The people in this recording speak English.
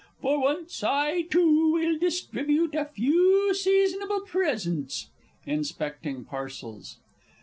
For once I, too, will distribute a few seasonable presents.... (_Inspecting parcels.